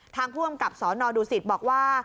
ทางผู้อำกับสนดูสิตบอกว่า